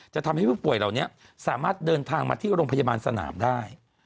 ทำให้ผู้ป่วยเหล่านี้สามารถเดินทางมาที่โรงพยาบาลสนามได้